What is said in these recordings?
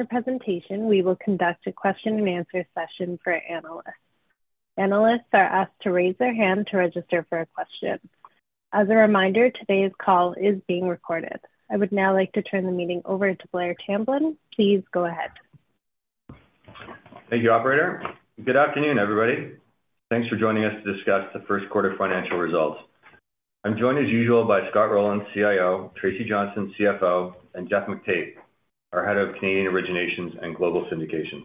In the presentation, we will conduct a Q&A session for analysts. Analysts are asked to raise their hand to register for a question. As a reminder, today's call is being recorded. I would now like to turn the meeting over to Blair Tamblyn. Please go ahead. Thank you, Operator. Good afternoon, everybody. Thanks for joining us to discuss the first quarter financial results. I'm joined, as usual, by Scott Rowland, CIO; Tracy Johnston, CFO; and Geoff McTait, our Head of Canadian Originations and Global Syndications.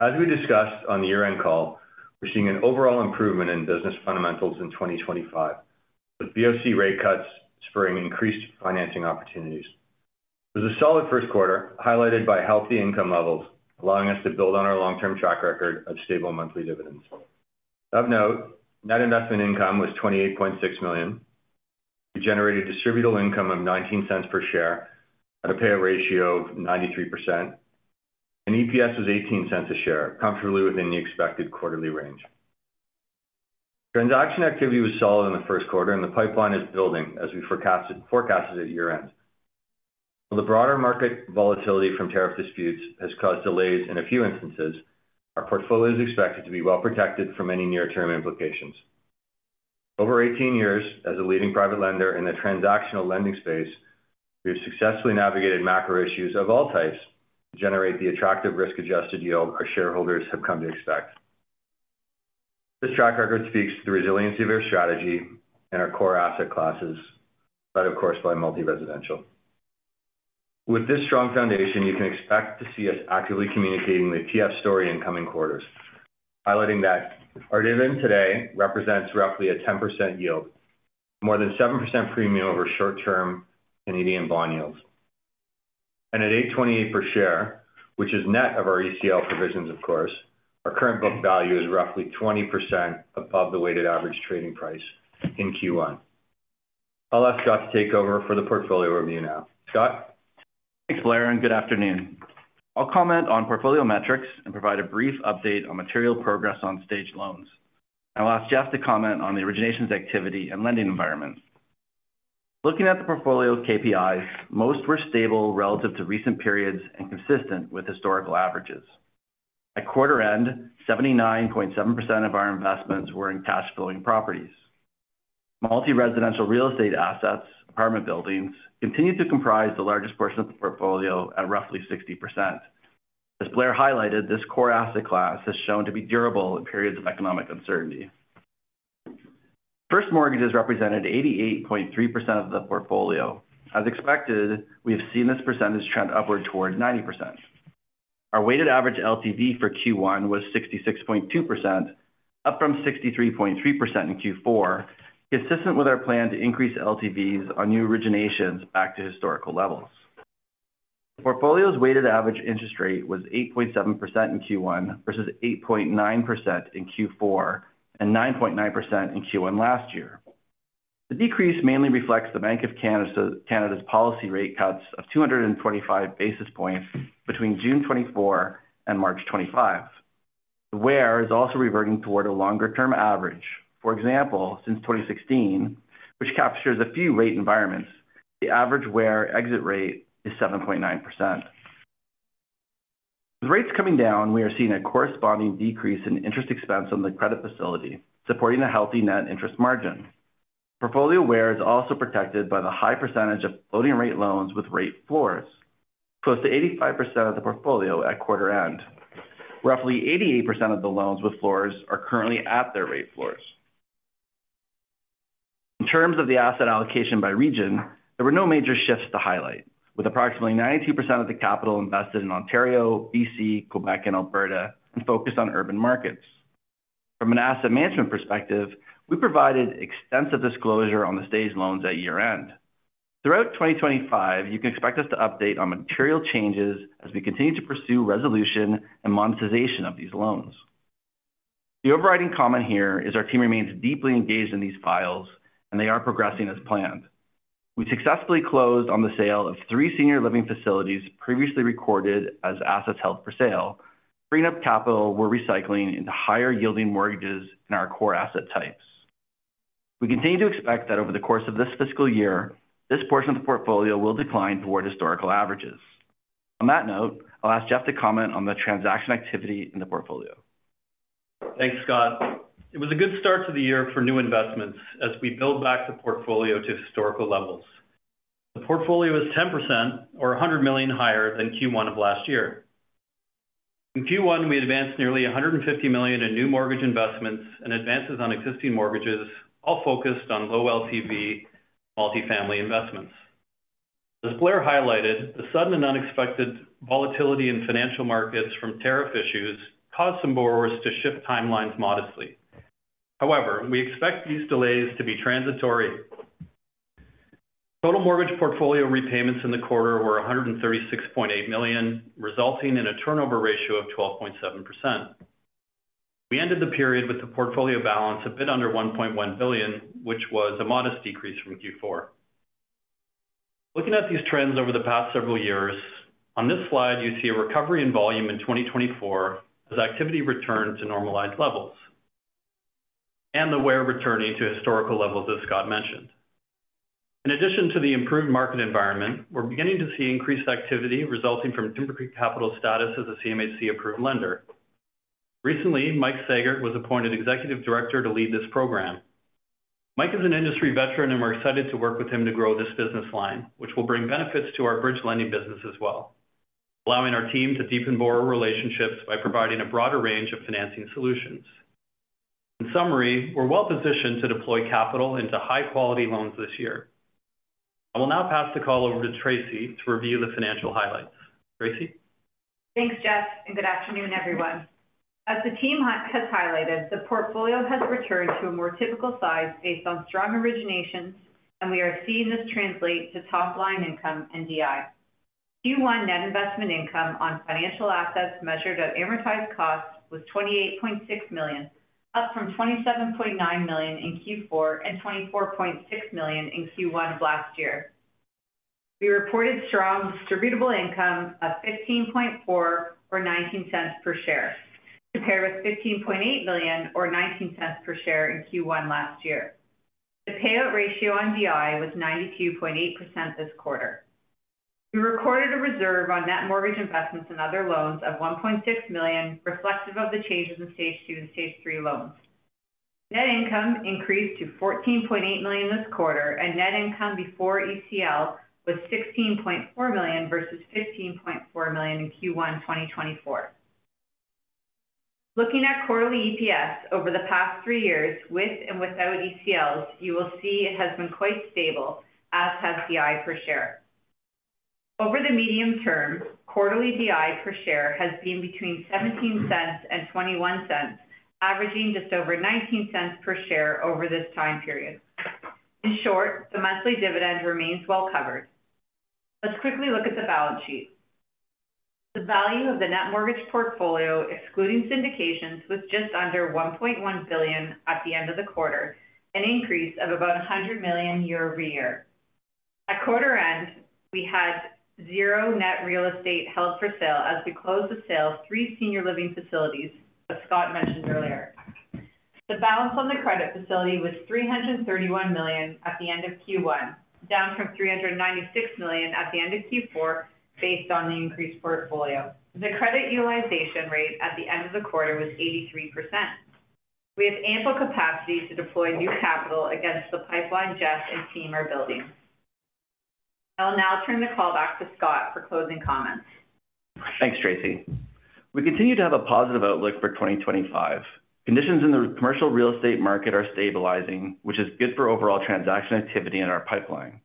As we discussed on the year-end call, we're seeing an overall improvement in business fundamentals in 2024, with Bank of Canada rate cuts spurring increased financing opportunities. It was a solid first quarter, highlighted by healthy income levels, allowing us to build on our long-term track record of stable monthly dividends. Of note, net investment income was 28.6 million. We generated distributable income of 0.19 per share at a payout ratio of 93%. EPS was 0.18 a share, comfortably within the expected quarterly range. Transaction activity was solid in the first quarter, and the pipeline is building as we forecasted at year-end. While the broader market volatility from tariff disputes has caused delays in a few instances, our portfolio is expected to be well protected from any near-term implications. Over 18 years as a leading private lender in the transactional lending space, we have successfully navigated macro issues of all types to generate the attractive risk-adjusted yield our shareholders have come to expect. This track record speaks to the resiliency of our strategy and our core asset classes, led, of course, by multi-residential. With this strong foundation, you can expect to see us actively communicating with TF Story in coming quarters, highlighting that our dividend today represents roughly a 10% yield, more than 7% premium over short-term Canadian bond yields. At 8.28 per share, which is net of our ECL provisions, of course, our current book value is roughly 20% above the weighted average trading price in Q1. I'll ask Scott to take over for the portfolio review now. Scott? Thanks, Blair, and good afternoon. I'll comment on portfolio metrics and provide a brief update on material progress on staged loans. I'll ask Geoff to comment on the originations activity and lending environments. Looking at the portfolio's KPIs, most were stable relative to recent periods and consistent with historical averages. At quarter end, 79.7% of our investments were in cash-flowing properties. Multi-residential real estate assets, apartment buildings, continue to comprise the largest portion of the portfolio at roughly 60%. As Blair highlighted, this core asset class has shown to be durable in periods of economic uncertainty. First mortgages represented 88.3% of the portfolio. As expected, we have seen this percentage trend upward toward 90%. Our weighted average LTV for Q1 was 66.2%, up from 63.3% in Q4, consistent with our plan to increase LTVs on new originations back to historical levels. The portfolio's weighted average interest rate was 8.7% in Q1 versus 8.9% in Q4 and 9.9% in Q1 last year. The decrease mainly reflects the Bank of Canada's policy rate cuts of 225 basis points between June 2024 and March 2025. The WER is also reverting toward a longer-term average. For example, since 2016, which captures a few rate environments, the average WER exit rate is 7.9%. With rates coming down, we are seeing a corresponding decrease in interest expense on the credit facility, supporting a healthy net interest margin. Portfolio WER is also protected by the high percentage of floating-rate loans with rate floors, close to 85% of the portfolio at quarter end. Roughly 88% of the loans with floors are currently at their rate floors. In terms of the asset allocation by region, there were no major shifts to highlight, with approximately 92% of the capital invested in Ontario, BC, Quebec, and Alberta, and focused on urban markets. From an asset management perspective, we provided extensive disclosure on the staged loans at year-end. Throughout 2025, you can expect us to update on material changes as we continue to pursue resolution and monetization of these loans. The overriding comment here is our team remains deeply engaged in these files, and they are progressing as planned. We successfully closed on the sale of three senior living facilities previously recorded as assets held for sale, freeing up capital we're recycling into higher-yielding mortgages in our core asset types. We continue to expect that over the course of this fiscal year, this portion of the portfolio will decline toward historical averages. On that note, I'll ask Geoff to comment on the transaction activity in the portfolio. Thanks, Scott. It was a good start to the year for new investments as we build back the portfolio to historical levels. The portfolio is 10% or 100 million higher than Q1 of last year. In Q1, we advanced nearly 150 million in new mortgage investments and advances on existing mortgages, all focused on low LTV multifamily investments. As Blair highlighted, the sudden and unexpected volatility in financial markets from tariff issues caused some borrowers to shift timelines modestly. However, we expect these delays to be transitory. Total mortgage portfolio repayments in the quarter were 136.8 million, resulting in a turnover ratio of 12.7%. We ended the period with the portfolio balance a bit under 1.1 billion, which was a modest decrease from Q4. Looking at these trends over the past several years, on this slide, you see a recovery in volume in 2024 as activity returned to normalized levels and the WER returning to historical levels as Scott mentioned. In addition to the improved market environment, we're beginning to see increased activity resulting from Timbercreek Capital's status as a CMHC-approved lender. Recently, Mike Sagert was appointed Executive Director to lead this program. Mike is an industry veteran, and we're excited to work with him to grow this business line, which will bring benefits to our bridge lending business as well, allowing our team to deepen borrower relationships by providing a broader range of financing solutions. In summary, we're well positioned to deploy capital into high-quality loans this year. I will now pass the call over to Tracy to review the financial highlights. Tracy? Thanks, Geoff, and good afternoon, everyone. As the team has highlighted, the portfolio has returned to a more typical size based on strong originations, and we are seeing this translate to top-line income and DI. Q1 net investment income on financial assets measured at amortized costs was 28.6 million, up from 27.9 million in Q4 and 24.6 million in Q1 of last year. We reported strong distributable income of 15.4 million or 0.19 per share, compared with 15.8 million or 0.19 per share in Q1 last year. The payout ratio on DI was 92.8% this quarter. We recorded a reserve on net mortgage investments and other loans of 1.6 million, reflective of the changes in stage two and stage three loans. Net income increased to 14.8 million this quarter, and net income before ECL was 16.4 million versus 15.4 million in Q1 2024. Looking at quarterly EPS over the past three years, with and without ECLs, you will see it has been quite stable, as has DI per share. Over the medium term, quarterly DI per share has been between $0.17 and $0.21, averaging just over $0.19 per share over this time period. In short, the monthly dividend remains well covered. Let's quickly look at the balance sheet. The value of the net mortgage portfolio, excluding syndications, was just under 1.1 billion at the end of the quarter, an increase of about 100 million year-over-year. At quarter end, we had zero net real estate held for sale as we closed the sale of three senior living facilities, as Scott Rowland mentioned earlier. The balance on the credit facility was 331 million at the end of Q1, down from 396 million at the end of Q4 based on the increased portfolio. The credit utilization rate at the end of the quarter was 83%. We have ample capacity to deploy new capital against the pipeline Geoff and team are building. I'll now turn the call back to Scott for closing comments. Thanks, Tracy. We continue to have a positive outlook for 2025. Conditions in the commercial real estate market are stabilizing, which is good for overall transaction activity in our pipeline.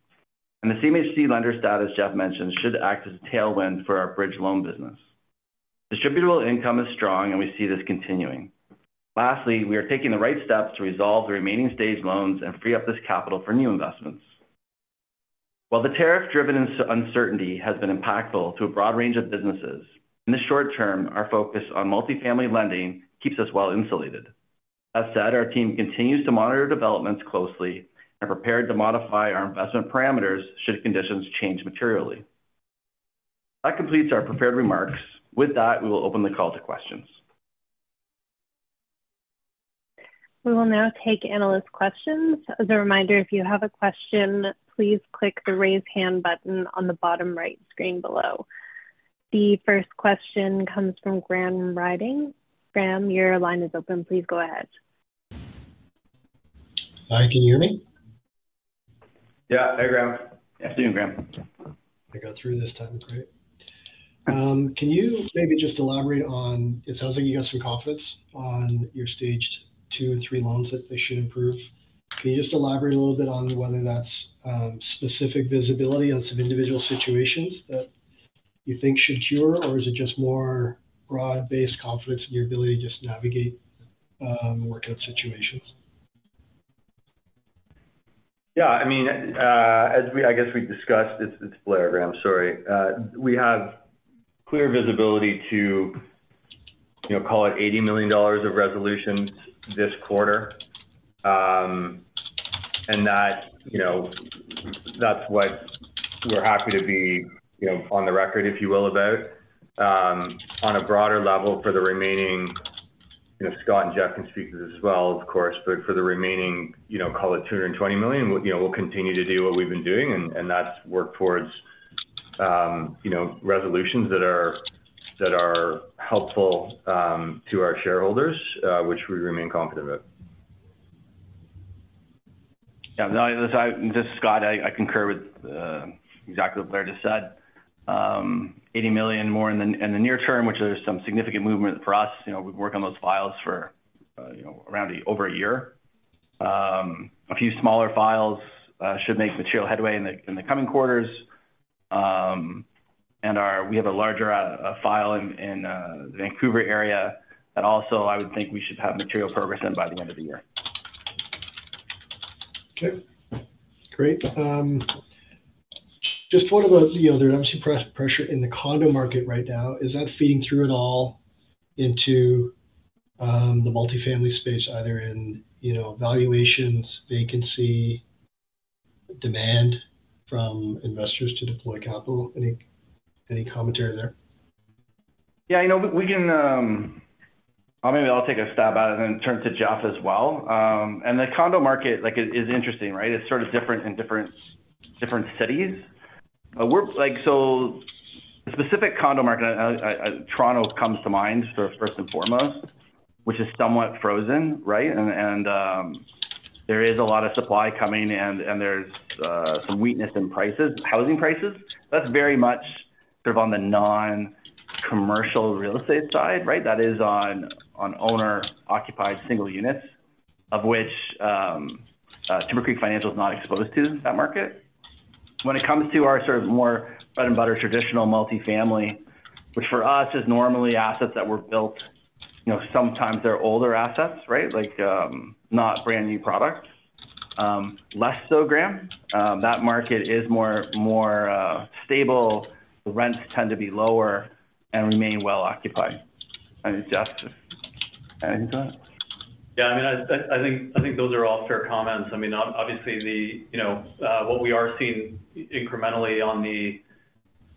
The CMHC lender status, Geoff mentioned, should act as a tailwind for our bridge loan business. Distributable income is strong, and we see this continuing. Lastly, we are taking the right steps to resolve the remaining staged loans and free up this capital for new investments. While the tariff-driven uncertainty has been impactful to a broad range of businesses, in the short term, our focus on multifamily lending keeps us well insulated. As said, our team continues to monitor developments closely and are prepared to modify our investment parameters should conditions change materially. That completes our prepared remarks. With that, we will open the call to questions. We will now take analyst questions. As a reminder, if you have a question, please click the raise hand button on the bottom right screen below. The first question comes from Graham Ryding. Graham, your line is open. Please go ahead. Hi, can you hear me? Yeah. Hey, Graham. Afternoon, Graham. I got through this time. Great. Can you maybe just elaborate on it sounds like you got some confidence on your stage two and three loans that they should improve. Can you just elaborate a little bit on whether that's specific visibility on some individual situations that you think should cure, or is it just more broad-based confidence in your ability to just navigate workout situations? Yeah. I mean, as we, I guess we discussed, it's Blair, Graham. Sorry. We have clear visibility to, call it, 80 million dollars of resolutions this quarter. And that's what we're happy to be on the record, if you will, about. On a broader level, for the remaining, Scott and Geoff can speak to this as well, of course, but for the remaining, call it, 220 million, we'll continue to do what we've been doing, and that's work towards resolutions that are helpful to our shareholders, which we remain confident about. Yeah. This is Scott. I concur with exactly what Blair just said. 80 million more in the near term, which is some significant movement for us. We've worked on those files for around over a year. A few smaller files should make material headway in the coming quarters. We have a larger file in the Vancouver area that also, I would think, we should have material progress in by the end of the year. Okay. Great. Just wondering if you see pressure in the condo market right now. Is that feeding through at all into the multifamily space, either in valuations, vacancy, demand from investors to deploy capital? Any commentary there? Yeah. I'll maybe take a stab at it and then turn to Geoff as well. The condo market is interesting, right? It's sort of different in different cities. The specific condo market, Toronto comes to mind first and foremost, which is somewhat frozen, right? There is a lot of supply coming, and there's some weakness in housing prices. That's very much sort of on the non-commercial real estate side, right? That is on owner-occupied single units, of which Timbercreek Financial is not exposed to that market. When it comes to our sort of more bread-and-butter traditional multifamily, which for us is normally assets that were built, sometimes they're older assets, right? Like not brand new products. Less so, Graham. That market is more stable. The rents tend to be lower and remain well occupied. Geoff, anything to that? Yeah. I mean, I think those are all fair comments. I mean, obviously, what we are seeing incrementally on the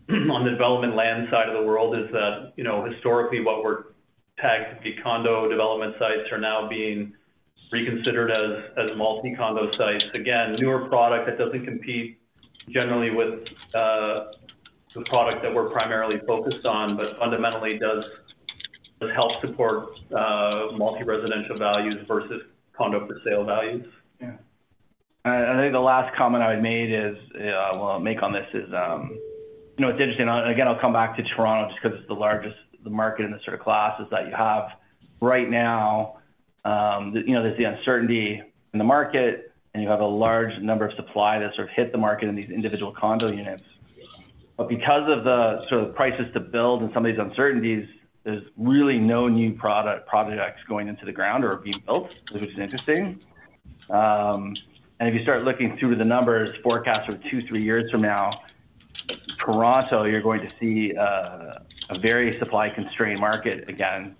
development land side of the world is that historically, what were tagged to be condo development sites are now being reconsidered as multi-condo sites. Again, newer product that does not compete generally with the product that we are primarily focused on, but fundamentally does help support multi-residential values versus condo for sale values. Yeah. I think the last comment I would make on this is it's interesting. Again, I'll come back to Toronto just because it's the largest market in the sort of classes that you have right now. There's the uncertainty in the market, and you have a large number of supply that sort of hit the market in these individual condo units. Because of the sort of prices to build and some of these uncertainties, there's really no new product projects going into the ground or being built, which is interesting. If you start looking through to the numbers, forecast for two, three years from now, Toronto, you're going to see a very supply-constrained market again.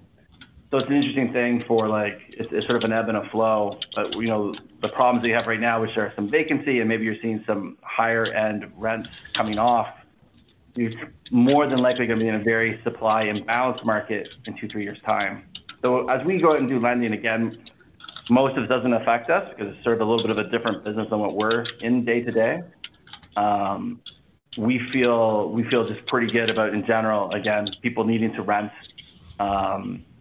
It's an interesting thing for it's sort of an ebb and a flow. The problems that you have right now, which are some vacancy and maybe you're seeing some higher-end rents coming off, it's more than likely going to be in a very supply-imbalanced market in two, three years' time. As we go out and do lending again, most of it doesn't affect us because it's sort of a little bit of a different business than what we're in day-to-day. We feel just pretty good about, in general, again, people needing to rent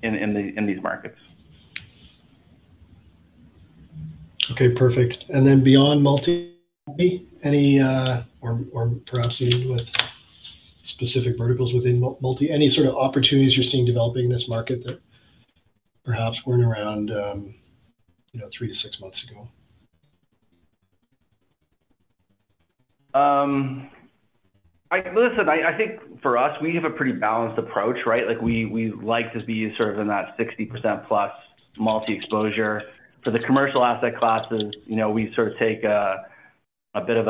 in these markets. Okay. Perfect. And then beyond multi, any or perhaps even with specific verticals within multi, any sort of opportunities you're seeing developing in this market that perhaps weren't around three to six months ago? Listen, I think for us, we have a pretty balanced approach, right? We like to be sort of in that 60% plus multi-exposure. For the commercial asset classes, we sort of take a bit of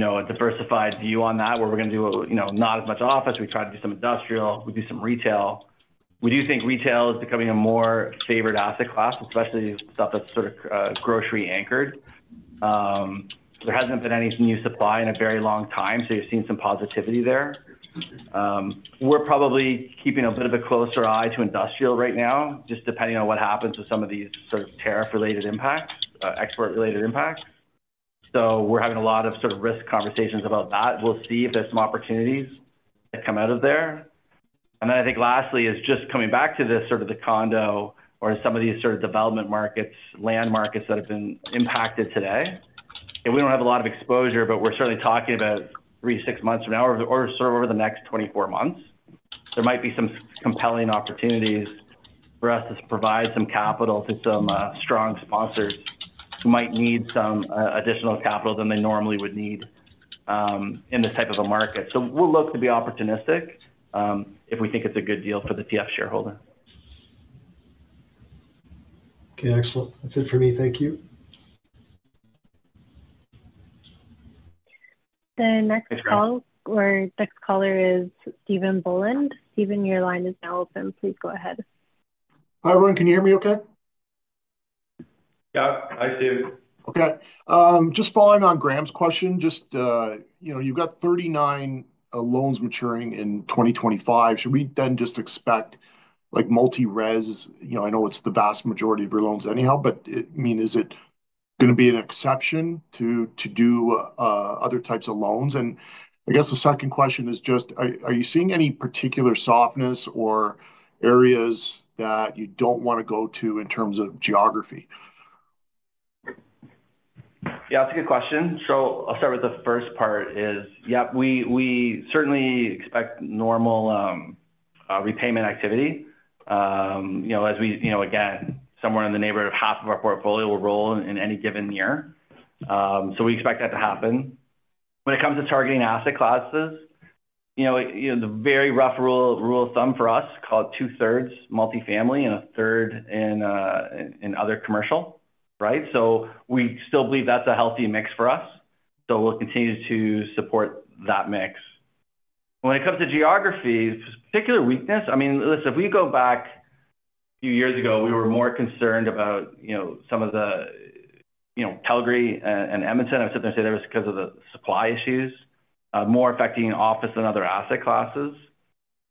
a diversified view on that, where we're going to do not as much office. We try to do some industrial. We do some retail. We do think retail is becoming a more favored asset class, especially stuff that's sort of grocery-anchored. There hasn't been any new supply in a very long time, so you've seen some positivity there. We're probably keeping a bit of a closer eye to industrial right now, just depending on what happens with some of these sort of tariff-related impacts, export-related impacts. We are having a lot of sort of risk conversations about that. We'll see if there's some opportunities that come out of there. I think lastly is just coming back to this sort of the condo or some of these sort of development markets, land markets that have been impacted today. We do not have a lot of exposure, but we are certainly talking about three to six months from now or sort of over the next 24 months. There might be some compelling opportunities for us to provide some capital to some strong sponsors who might need some additional capital than they normally would need in this type of a market. We will look to be opportunistic if we think it is a good deal for the TF shareholder. Okay. Excellent. That's it for me. Thank you. The next caller is Stephen Boland. Stephen, your line is now open. Please go ahead. Hi, everyone. Can you hear me okay? Yeah. I see you. Okay. Just following on Graham's question, just you've got 39 loans maturing in 2025. Should we then just expect multi-rez? I know it's the vast majority of your loans anyhow, but I mean, is it going to be an exception to do other types of loans? I guess the second question is just, are you seeing any particular softness or areas that you don't want to go to in terms of geography? Yeah. That's a good question. I'll start with the first part. Yeah, we certainly expect normal repayment activity. As we, again, somewhere in the neighborhood of half of our portfolio will roll in any given year. We expect that to happen. When it comes to targeting asset classes, the very rough rule of thumb for us, call it two-thirds multifamily and a third in other commercial, right? We still believe that's a healthy mix for us. We'll continue to support that mix. When it comes to geography, particular weakness, I mean, listen, if we go back a few years ago, we were more concerned about some of the Calgary and Edmonton. I would sit there and say that was because of the supply issues more affecting office than other asset classes.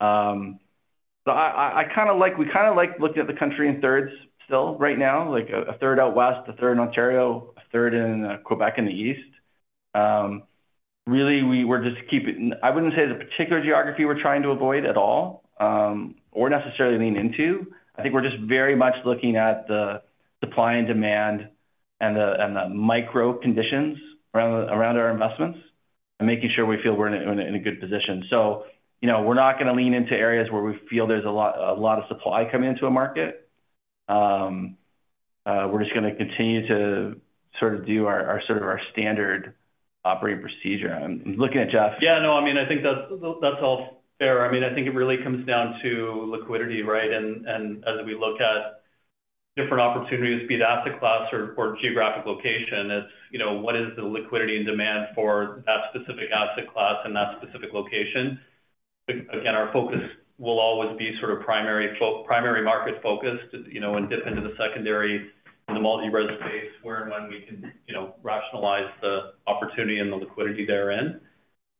I kind of like, we kind of like looking at the country in thirds still right now, like a third out west, a third in Ontario, a third in Quebec in the east. Really, we're just keeping, I wouldn't say the particular geography we're trying to avoid at all or necessarily lean into. I think we're just very much looking at the supply and demand and the micro conditions around our investments and making sure we feel we're in a good position. We're not going to lean into areas where we feel there's a lot of supply coming into a market. We're just going to continue to sort of do our sort of our standard operating procedure. I'm looking at Geoff. Yeah. No, I mean, I think that's all fair. I mean, I think it really comes down to liquidity, right? As we look at different opportunities, be it asset class or geographic location, it's what is the liquidity and demand for that specific asset class and that specific location. Again, our focus will always be sort of primary market focused and dip into the secondary in the multi-rez space where and when we can rationalize the opportunity and the liquidity therein.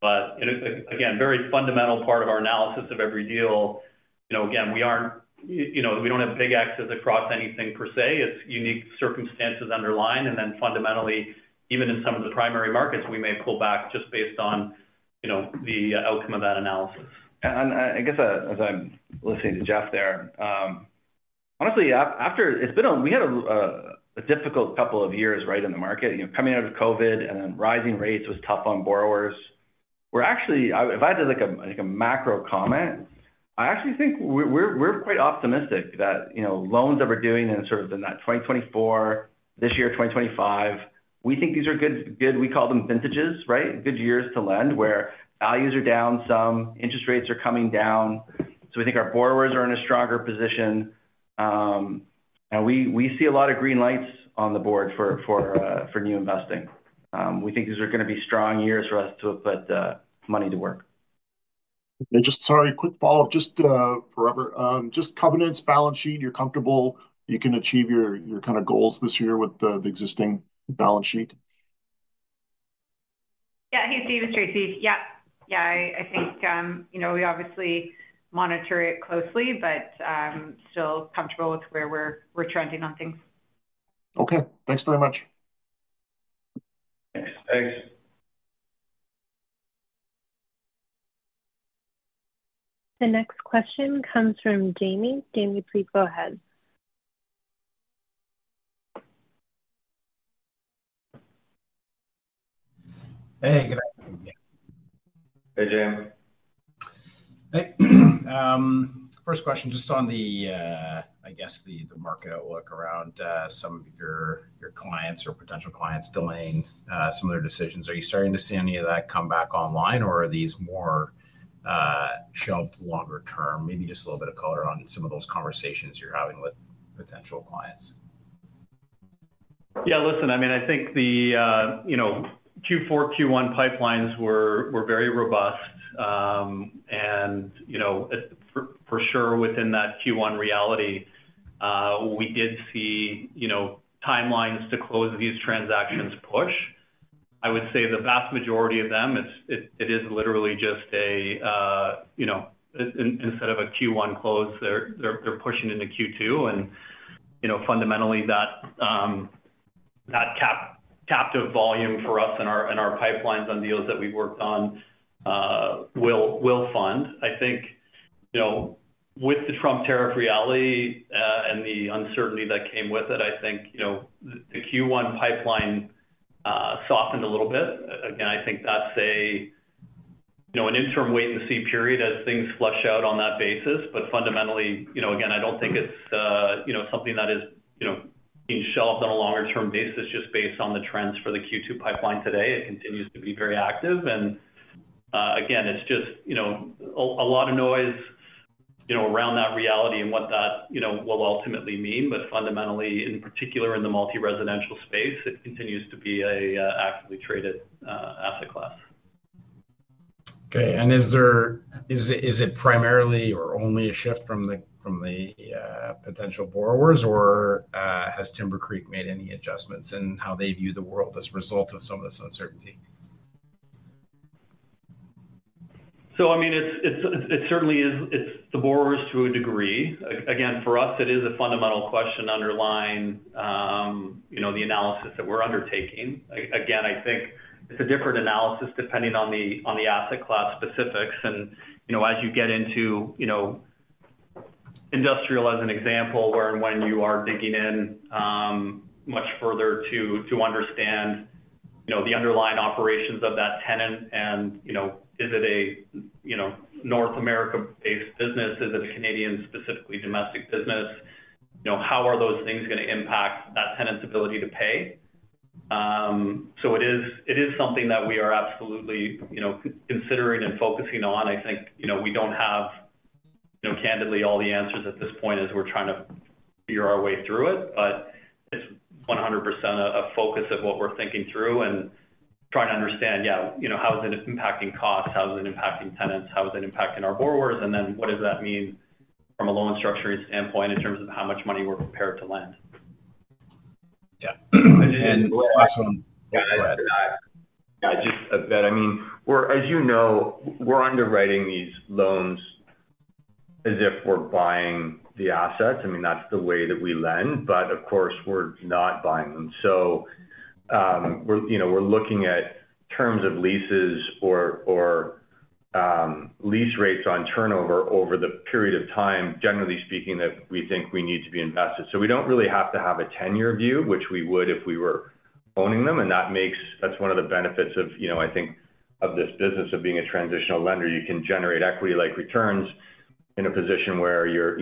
Again, very fundamental part of our analysis of every deal, we do not have big Xs across anything per se. It's unique circumstances underline. Fundamentally, even in some of the primary markets, we may pull back just based on the outcome of that analysis. I guess as I'm listening to Geoff there, honestly, after we had a difficult couple of years, right, in the market, coming out of COVID and then rising rates was tough on borrowers. We're actually, if I had to make a macro comment, I actually think we're quite optimistic that loans that we're doing in sort of that 2024, this year, 2025, we think these are good. We call them vintages, right? Good years to lend where values are down some, interest rates are coming down. We think our borrowers are in a stronger position. We see a lot of green lights on the board for new investing. We think these are going to be strong years for us to put money to work. Sorry, quick follow-up just for Robert. Just Timbercreek Financial's balance sheet, you're comfortable you can achieve your kind of goals this year with the existing balance sheet? Yeah. Hey, Stephen. It's Tracy. Yeah. Yeah. I think we obviously monitor it closely, but still comfortable with where we're trending on things. Okay. Thanks very much. The next question comes from Jamie. Jamie, please go ahead. Hey. Good afternoon. Hey, Jame. Hey. First question, just on the, I guess, the market outlook around some of your clients or potential clients delaying some of their decisions. Are you starting to see any of that come back online, or are these more shelved longer term? Maybe just a little bit of color on some of those conversations you're having with potential clients. Yeah. Listen, I mean, I think the Q4, Q1 pipelines were very robust. For sure, within that Q1 reality, we did see timelines to close these transactions push. I would say the vast majority of them, it is literally just a instead of a Q1 close, they're pushing into Q2. Fundamentally, that captive volume for us and our pipelines on deals that we've worked on will fund. I think with the Trump tariff reality and the uncertainty that came with it, I think the Q1 pipeline softened a little bit. Again, I think that's an interim wait-and-see period as things flush out on that basis. Fundamentally, again, I don't think it's something that is being shelved on a longer-term basis just based on the trends for the Q2 pipeline today. It continues to be very active. It is just a lot of noise around that reality and what that will ultimately mean. Fundamentally, in particular, in the multi-residential space, it continues to be an actively traded asset class. Okay. Is it primarily or only a shift from the potential borrowers, or has Timbercreek made any adjustments in how they view the world as a result of some of this uncertainty? I mean, it certainly is the borrowers to a degree. Again, for us, it is a fundamental question underlying the analysis that we're undertaking. Again, I think it's a different analysis depending on the asset class specifics. As you get into industrial, as an example, where and when you are digging in much further to understand the underlying operations of that tenant, and is it a North America-based business? Is it a Canadian, specifically domestic business? How are those things going to impact that tenant's ability to pay? It is something that we are absolutely considering and focusing on. I think we don't have, candidly, all the answers at this point as we're trying to figure our way through it. It's 100% a focus of what we're thinking through and trying to understand, yeah, how is it impacting costs? How is it impacting tenants? How is it impacting our borrowers? What does that mean from a loan structuring standpoint in terms of how much money we're prepared to lend? Yeah. Last one. Yeah. Just a bit. I mean, as you know, we're underwriting these loans as if we're buying the assets. I mean, that's the way that we lend. Of course, we're not buying them. We're looking at terms of leases or lease rates on turnover over the period of time, generally speaking, that we think we need to be invested. We don't really have to have a 10-year view, which we would if we were owning them. That's one of the benefits, I think, of this business of being a transitional lender. You can generate equity-like returns in a position where you're,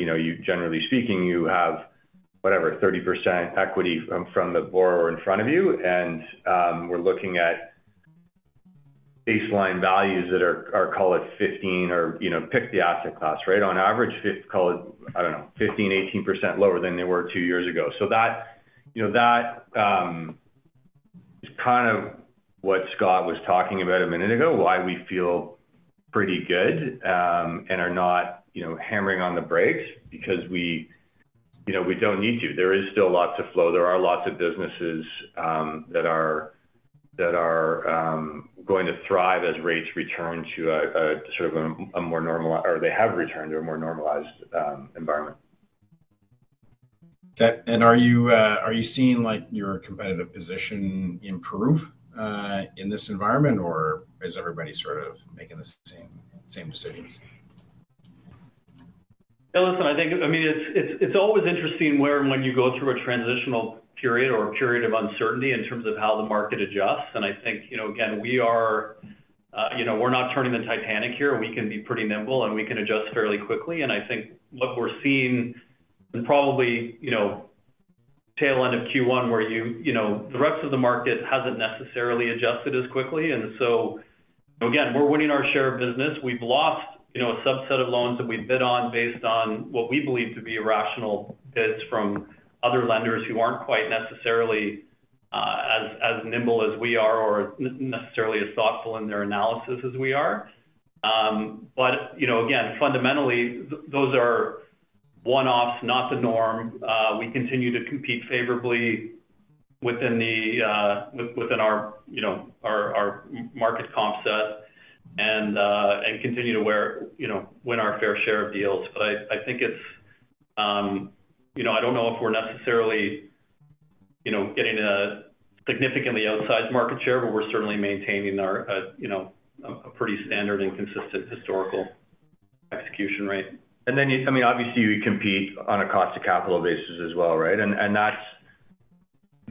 generally speaking, you have whatever, 30% equity from the borrower in front of you. We're looking at baseline values that are, call it 15 or pick the asset class, right? On average, call it, I don't know, 15%-18% lower than they were two years ago. That is kind of what Scott was talking about a minute ago, why we feel pretty good and are not hammering on the brakes because we do not need to. There is still lots of flow. There are lots of businesses that are going to thrive as rates return to sort of a more normal or they have returned to a more normalized environment. Are you seeing your competitive position improve in this environment, or is everybody sort of making the same decisions? Yeah. Listen, I think, I mean, it's always interesting where and when you go through a transitional period or a period of uncertainty in terms of how the market adjusts. I think, again, we're not turning the Titanic here. We can be pretty nimble, and we can adjust fairly quickly. I think what we're seeing is probably tail end of Q1 where the rest of the market hasn't necessarily adjusted as quickly. Again, we're winning our share of business. We've lost a subset of loans that we bid on based on what we believe to be rational bids from other lenders who aren't quite necessarily as nimble as we are or necessarily as thoughtful in their analysis as we are. Again, fundamentally, those are one-offs, not the norm. We continue to compete favorably within our market comp set and continue to win our fair share of deals. I think it's, I don't know if we're necessarily getting a significantly outsized market share, but we're certainly maintaining a pretty standard and consistent historical execution rate. I mean, obviously, you compete on a cost-to-capital basis as well, right?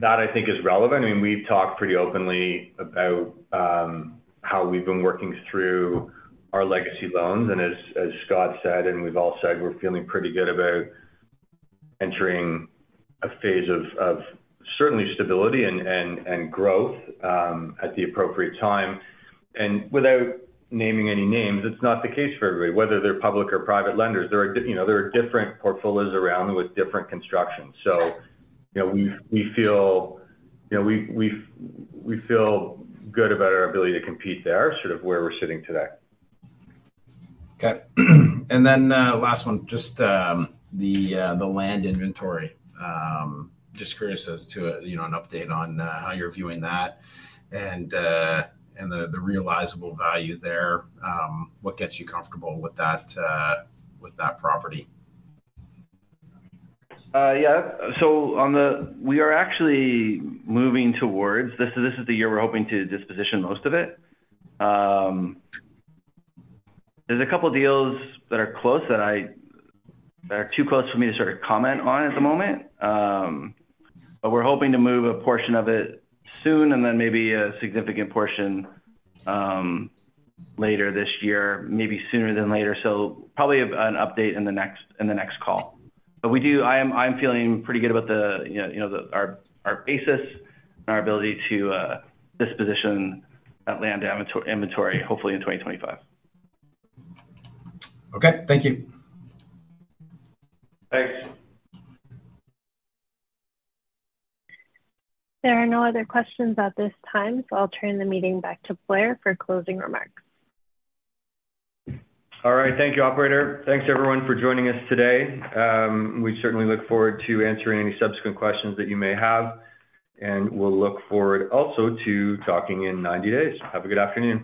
That, I think, is relevant. I mean, we've talked pretty openly about how we've been working through our legacy loans. As Scott said, and we've all said, we're feeling pretty good about entering a phase of certainly stability and growth at the appropriate time. Without naming any names, it's not the case for everybody. Whether they're public or private lenders, there are different portfolios around with different constructions. We feel good about our ability to compete there, sort of where we're sitting today. Okay. Last one, just the land inventory. Just curious as to an update on how you're viewing that and the realizable value there. What gets you comfortable with that property? Yeah. So we are actually moving towards this is the year we're hoping to disposition most of it. There's a couple of deals that are close that are too close for me to sort of comment on at the moment. We're hoping to move a portion of it soon and then maybe a significant portion later this year, maybe sooner than later. Probably an update in the next call. I'm feeling pretty good about our basis and our ability to disposition that land inventory, hopefully in 2025. Okay. Thank you. Thanks. There are no other questions at this time, so I'll turn the meeting back to Blair for closing remarks. All right. Thank you, Operator. Thanks, everyone, for joining us today. We certainly look forward to answering any subsequent questions that you may have. We will look forward also to talking in 90 days. Have a good afternoon.